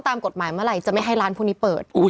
ตามกฎหมายเมื่อไหร่จะไม่ให้ร้านพวกนี้เปิด